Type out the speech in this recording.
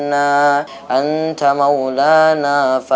saya ingin menjaga pier